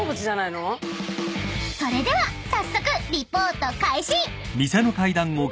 ［それでは早速リポート開始！］